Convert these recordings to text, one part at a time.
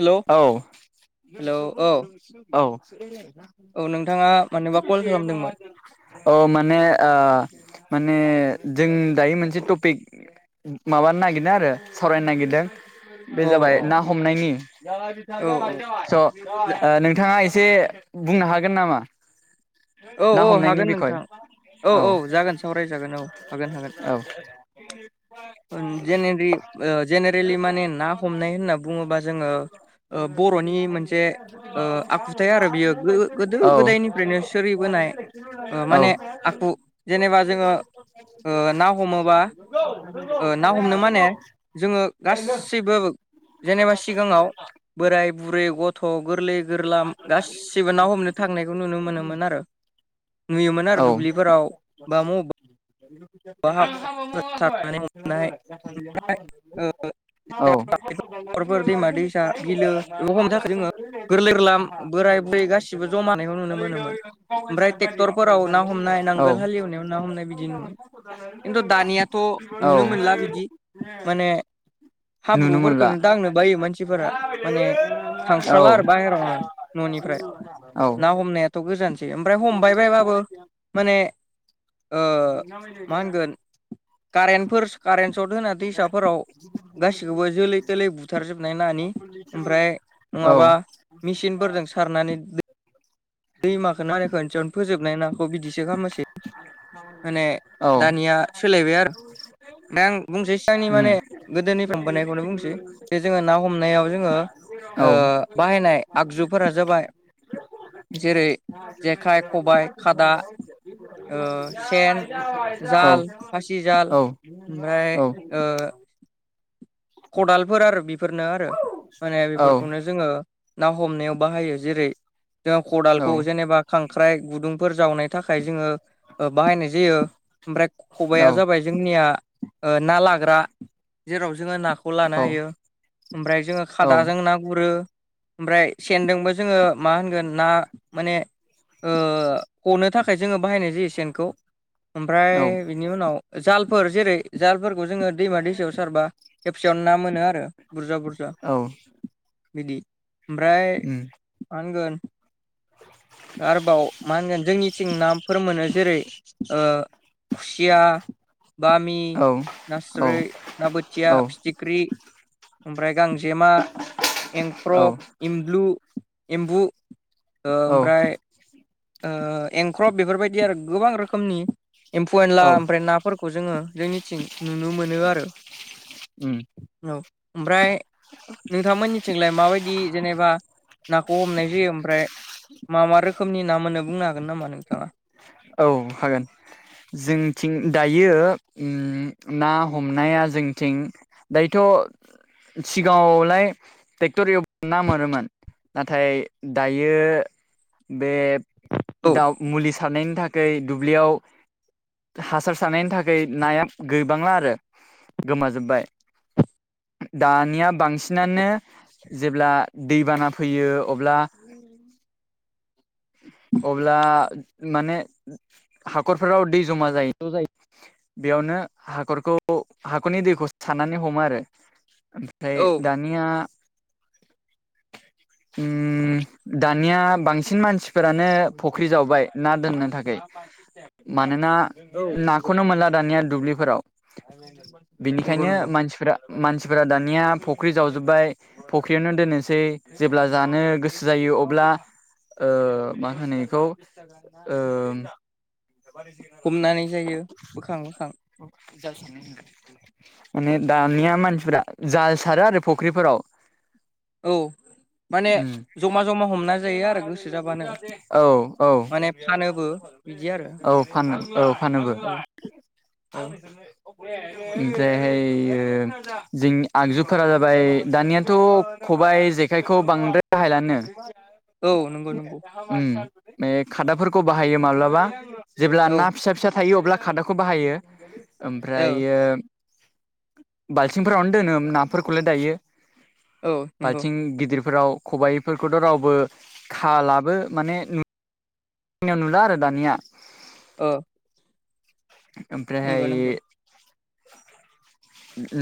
Hello औ। Hello औ औ। औ नोंथाङा मानोबा कल खालामदोंमोन अ माने ओ माने जों दायो मोनसे टपिक माबानो नागिरदों आरो सावरायनो नागिरदों बे औ जाबाय औ ना हमनायनि औ औ स ओ नोंथाङा एसे बुंनो हागोन नामा? ना औ-औ हमनायनि हागोन बिखय नोंथां औ-औ औ जागोन सावरायजागोन औ हागोन-हागोन। औ जेनेरि ओ जेनेरेलि माने ना हमनाय होनना बुङोबा जोङो ओ बर'नि मोनसे ओ आखुथाय आरो बियो औ। गोदो गोदायनिफ्रायनो सोलिबोनाय ओ औ। माने आखु जेनेबा जोङो ओ [unintelligible] ना हमोबा ओ ना हमनो माने [inaudible] जोङो गासैबो जेनेबा सिगाङाव बोराय बुरै गथ' गोरलै गोरलाम गासिबो ना हमनो थांनायखौ नुनो मोनोमोन आरो। नुयोमोन आरो औ दुब्लिफोराव बा मबेबा हाखर सारनानै हमनाय हाखरफोर दैमा दैसा बिलो बेखौ हमनो थाखाय जोङो [unintelligible] [inaudible] औ। गोरलै गोरलाम बोराय बुरै गासिबो जमानायखौ नुनो मोनोमोन ओमफ्राय ट्रेक्टर फोर फोराव ना हमनाय नांगोल हालेवनायाव ना हमनाय बिदि नु खिन्थु दानियाथ' औ नुनो मोनला बिदि माने नुनो मोनला हाब्रुफोरखौनो दांनो बायो मानसिफोरा माने औ थांस्राला आरो बाहेरावनो न'निफ्राय औ ना हमनायाथ' गोजानसै ओमफ्राय हमबायबाय बाबो माने ओ [unintelligible] [inaudible] कारेन्टफोर्स कारेन्ट सट होना दैसाफोराव गासिखौबो जोलै थोलै बुथारजोबनाय नानि ओमफ्राय औ नङाबा मेचिनफोरजों सारनानै दै दैमाखौनो मारायखनसेयावनो फोजोबनाय नाखौ बिदिसो खालामनोसै माने औ दानिया सोलायबाय आरो। दा आं बुंनोसै सिगांनि उम माने गोदोनिफ्राय हमबोनायखौनो बुंनोसै जे जोङो ना हमनायाव जोङो औ। [unintelligible] [inaudible] ओ बाहायनाय आगजुफोरा जाबाय जेरै जेखाइ खबाइ खादा ओ सेन [unintelligible] [inaudible] जाल फासि जाल ओमफ्राय ओ खदालफोर आरो बिफोरनो आरो माने बिफोरखौनो जोङो ना हमनायाव बाहायो जेरै जों खदालखौ जेनेबा खांख्राइ गुदुंफोर जावनाय थाखाय जोङो ओ बाहायनाय जायो ओमफ्राय ख-खबाइया जाबाय जोंनिया ओ ना लाग्रा जेराव जोङो ना खौ लानो हायो ओमफ्राय जोङो खादाजों ना गुरो ओमफ्राय सेनजोंबो जोङो मा होनगोन ना माने ओ गनो थाखाय जोङो बाहायनाय जायो सेनखौ। ओमफ्राय बिनि उनाव जालफोर जेरै जालफोरखौ जोङो दैमा दैसायाव सारबा खेबसेयावन ना मोनो आरो बुरजा-बुरजा। औ। बिदि ओमफ्राय मा होनगोन आरोबाव मा होनगोन जोंनिथिं नाफोर मोनो जेरै ओ खुसिया, बामि, नास्रै, ना बोथिया। थिख्रि ओमफ्राय गांजेमा एंख्रब एमब्लु एम्बु ओ-ओमफ्राय ओ एंख्रब बेफोरबायदि आरो गोबां रोखोमनि एम्फौ एनला ओमफ्राय ना फोरखौ जोङो जोंनिथिं नुनो मोनो आरो उम औ ओमफ्राय नोंथांमोननिथिंलाय माबायदि जेनेबा नाखौ हमनाय जायो ओमफ्राय मा मा रोखोमनि ना मोनो बुंनो हागोन नामा नोंथाङा? औ हागोन। जोंथिं दायो उम ना हमनाया जोंथिं दायोथ' सिगाङावलाय टेक्टर एव ना मोनोमोन नाथाय दायो बे औ दाउ मुलि सा सारनायनि थाखै दुब्लियाव हासार सारनायनि थाखाय नाया गैबांला आरो गोमाजोब्बाय। दानिया बांसिनानो जेब्ला दैबाना फैयो अब्ला अब्ला माने हाखरफोराव दै जमा जायो [unintelligible] जायो। बेयावनो हाखरखौ हाखरनि दैखौ सारनानै हमो आरो ओम फ्राय औ दानिया उम दा निया बांसिन मानसिफोरानो फख्रि जावबाय ना दोननो थाखै मानोना औ नंगौ नाखौनो मोनला दानिया दुब्लिफोराव नंगौ बेनिखायनो नंगौ मानसिफोरा मानसिफोरा दानिया फख्रि जावजोब्बाय। फख्रियावनो दोननोसै जेब्ला जानो गोसो जायो अब्ला ओ मा होनो इखौ ओ उम हमनानै जायो बोखां बोखां [inaudible] माने दानिया मानसिफोरा जाल सारो आरो फुख्रिफोराव‌‌ औ माने उम जमा जमा हमना जायो आरो गोसो जाबानो औ। औ माने फानोबो बिदि आरो फानो औ फानोबो औ [unintelligible] औ ओमफ्रायहाययो जोंनि आगजुफोरा जाबाय दानियाथ' खबाइ जेखायखौ बांद्राय बाहायलानो औ नंगौ नंगौ। उम खादाफोरखौ बाहायो माब्लाबा जेब्ला औ ना फिसा फिसा थायो अब्ला खादाखौ बाहायो ओमफ्र औ बाल्थिंफोरावनो दोनो नाफोरखौलाय दायो। औ नंगौ बाल्थिं गिदिरफोराव खबायाइफोरखौथ रावबो खालाबो माने नु नुला आरो दानिया। अ नंगौ ओमफ्रायहाय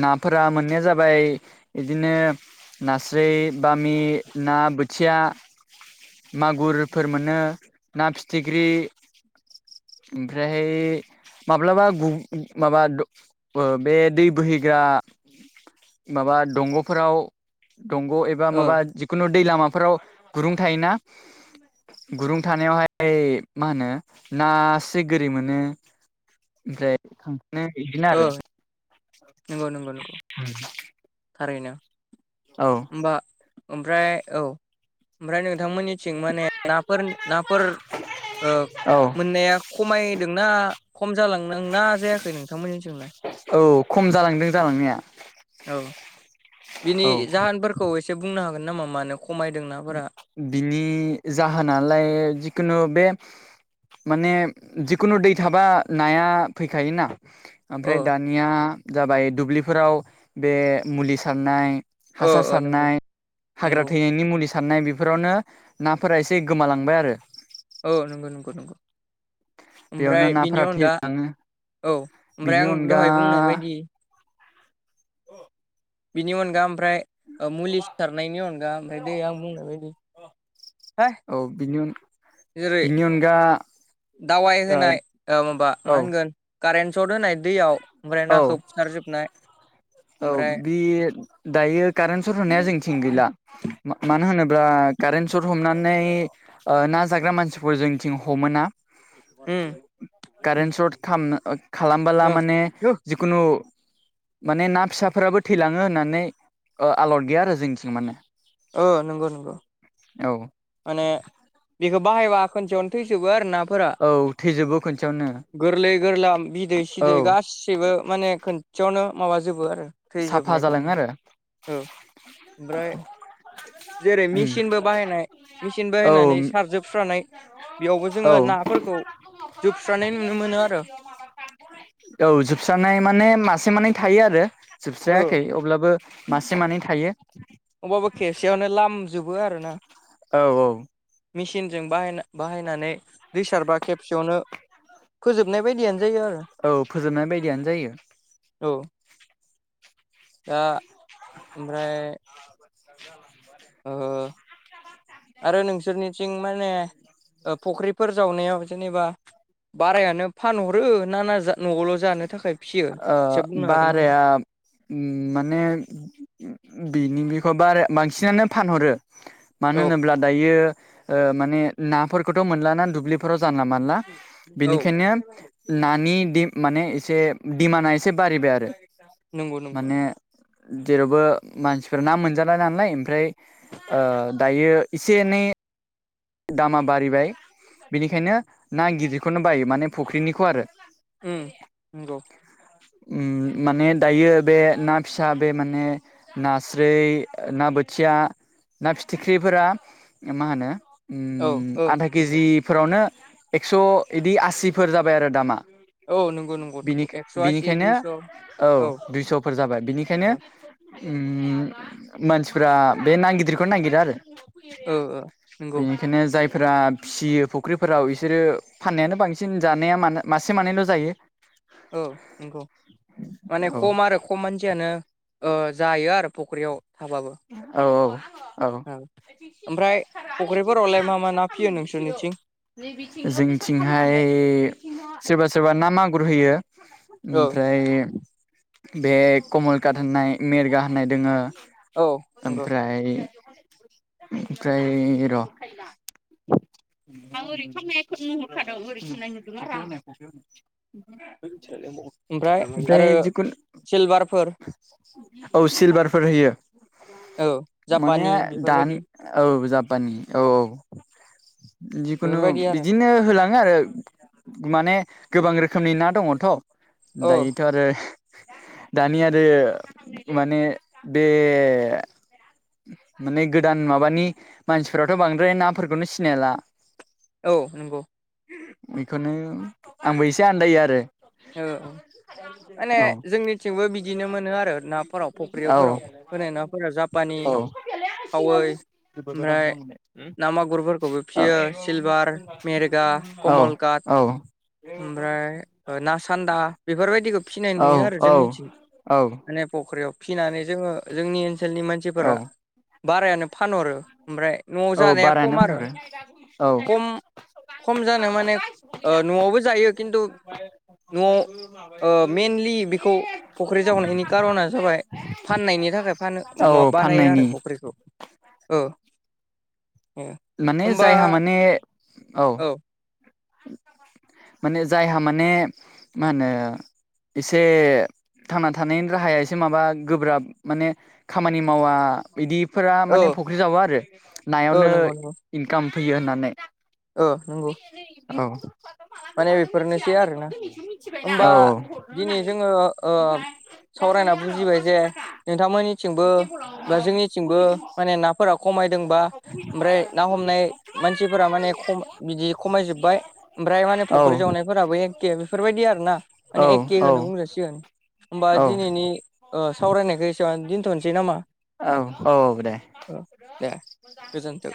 नाफोरा मोननाया जाबाय इदिनो नास्राय बामि ना बोथिया मागुरफोर मोनो ना फिथिख्रि ओमफ्राय माब्लाबा गु माबा बे दै बोहैग्रा माबा दंगफोराव दंग एबा औ माबा खुनु दै लामाफोराव गुरुं थायोना गुरुं थानायावहाय मा होनो नासे गोरि मोनो। ओमफ्राय [unintelligible] बिदिनो ओ आरो नंगौ नंगौ नंगौ थारैनो होमबा ओमफ्राय औ ओमफ्राय नोंथांमोननिथिं माने नाफोर नाफोर ओ औ मोननाया खमायदोंना खम जालांदों ना जायाखै नोंथांमोननि जोंलाय? औ खम जालांदों जालांनाया। औ बिनि औ जाहोनफोरखौ एसे बुंनो हागोन नामा मा? मानो खमायदों नाफोरा? बिनि जाहोनालाय जिखुनु बे माने जिखुनु दै थाबा नाया फैखायोना औ आमफ्राय दानिया जाबाय दुब्लिफोराव बे मुलि सारनाय ओ हासार ओ नंगौ सारनाय हाग्रा नंगौ थैनायनि मुलि सारनाय बेफोरावनो नाफोरा एसे गोमालांबाय आरो औ नंगौ नंगौ नंगौ बेयावनो ओमफ्राय बिनि नाफोरा थै अनगा औ ओमफ्राय बिनि आं अनगा दहाय बुंनाय बायदि बिनि अनगा ओमफ्राय मुलि सारनायनि अनगा ओमफ्राय दै आ आं बुंनाय बायदि [unintelligible] औ बिनि अन जेरै दावाइ होनाय ओ माबा औ मा होनगोन कारेन्ट सट होनाय दैयाव ओमफ्राय औ नाखौ फुथारजोबनाय औ ओमफ्राय बे दायो कारेन्ट सत होनाया जोंथिं गैला। मानो होनोब्ला कारेन सर्ट हमनानै ना जाग्रा मानसिफोर जोंथिं हमो ना उम कारेन्ट सर्ट खालाम खालामबोला माने उम जिखुनु माने ना फिसाफोराबो थैलाङो होननानै आलद गैया आरो जोंनिथिं माने औ नंगौ नंगौ औ माने बेखौ बाहायबा खनसेयावनो थैजोबो आरो ना फोरा औ थैजोबो खनसेयावनो गोरलै गोरलाम बिदै औ सिदै गाससिबो सैबो माने खोनसेयावनो माबाजोबो आरो साफा थैजोबनायखौ न जालाङो आरो औ ओमफ्राय जेरै उम मेचिनबो बाहायनाय मेचिन औ बाहायनानै सारजोबस्रानाय बेयावबो औ जोङो नाफोरखौ जोबस्रानाय नुनो मोनो आरो औ जोबस्रानाय माने मासे मानै थायो आरो ओ जोबस्रायाखै अब्लाबो मासे मानै थायो अबावबा खेबसेयावनो लामजोबो आरो ना औ औ मेसिनजों बाहाय बाहायनानै दैसारबा खेबसेयावनो फोजोबनाय बायदियानो जायो आरो औ फोजोबनाय बायदियानो जायो औ दा ओमफ्राय [unintelligible] ओ आरो नोंसोरनिथिं माने फुख्रिफोर जावनायाव जेनेबा बारायानो फानहरो ना ना न'आवल' जानो थाखाय फिसियो ओ एसे बुंनो हागोन नामा बाराया माने बिनि बेखौ बारा बांसिनानो फानहरो मानो औ होनोब्ला दायो ओ माने नाफोरखौथ' मोनलाना दुब्लिफोराव जानला मानला औ बेनिखायनो नानि माने एसे दिमान्डआ एसे बारिबाय आरो नंगौ नंगौ माने नंगौ जेरावबो मानसिफोरा ना मोनजाला नालाय ओमफ्राय दायो एसे एनै दामा बारिबाय बिनिखायनो ना गिदिरखौनो बायो माने फुख्रिनिखौ आरो। उ नंगौ। माने दायो बे ना फिसा बे माने नास्राय ना बोथिया ना फिथिख्रिफोरा मा होनो औ औ आधा नंगौ केजिफोरावनो एक्स' बिदि आसिफोर जाबाय आरो दामा। औ नंगौ नंगौ नंगौ एक्स' आसि बिनिखायनो दुइस' औ औ दुइस'फोर जाबाय बिनिखायनो मानसिफ्रा बे नागिदिरखौनो नागिरा आरो। औ औ द बेखायनो जायफोरा फियो फुख्रिफोराव बिसोरो फाननायानो बांसिन जानाया मा मासे मानैल' जायो। औ नंगौ माने औ खम आरो। खम मानसियानो जायो आरो फख्रियाव थाबाबो औ औ। [unintelligible] ओमफ्राय फुख्रिफोरावलाय मा मा ना फियो नोंसोरनिथिं जोंथिंहाय सोरबा सोरबा ना मागुर होयो। औ ओमफ्राय बे कमलकात होननाय मेरगा होननाय दोङो। औ नंगौ ओमफ्राय ओमफ्राय र' आं ओरै खामनायखौ नुहरखादों ओरै खामनाय नुदों आरो। ओमफ्राय ओमफराय आरो जिखुनु सिलभारफोर औ सिलभारफोर होयो औ माने जापानि दानि बेफोरबायदि औ जापानि औ औ जिखुनु बेफोरबायदि आरो बिदिनो होलाङो आरो। माने गोबां रोखोमनि ना दङथ' औ दायोथ' आरो। दानि आरो माने बे माने गोदान माबानि मानसिफोराथ' बांद्राय नाफोरखौनो सिनायला औ नंगौ। बेखौनो आंबो एसे आन्दायो आरो। औ माने औ जोंनिथिंबो बिदिनो मोनो आरो नाफोराव औ फख्रिफोराव होनाय नाफोरा जापानि औ खावै ओमफ्राय ना मागुरफोरखौबो फियो सिलभार मेरगा कमल काट औ ओमफ्राय नासान्दा बेफोरबायदिखौ फिनाय नुयो आरो जोंनिथिं औ माने फख्रियाव फिनानै जोङो जोंनि ओनसोलनि औ मानसिफोरा बारायानो फानहरो ओमफ्राय न'आव औ जानाया खम बारायानो आरो फानहरो औ खम खम जानो माने न'आवबो जायो खिन्थु न'आव ओ मेनलि बेखौ फख्रि जावनायनि कार'ना जाबाय [unintelligible] फाननायनि थाखाय फानो मा औ बानायो आरो फाननायनि फुख्रिखौ औ माने जायहा माने औ माने जायहा माने मा होनो एसे थांना थानायनि राहाया एसे माबा गोब्राब माने खामानि मावा बिदिफोरा माने औ फुख्रि जावो आरो औ नायावनो नंगौ नंगौ इनकाम फैयो होननानै ओ नंगौ माने बेफोरनोसै आरोना होमबा दिनै जोङो ओ औ [unintelligible] सावरायना बुजिबाय जे नोंथांमोननिथिंबो बा जोंनिथिंबो माने ना फोरा खमायदोंबा ओमफ्राय ना हमनाय मानसिफोरा माने बिदि खमायजोब्बाय। ओमफ्राय माने औ फ'ख्रि जावनायफोराबो एखे बेफोरबायदि आर ना औ माने एखे होनो बुंजासिगोन। होमबा औ दिनैनि सावरायनायखौ एसे आवनो दोनथ'नोसै नामा? औ औ औ दे। ओ दे गोजोन्थों